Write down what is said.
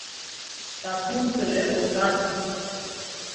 তার তিন ছেলে ও চার মেয়ে।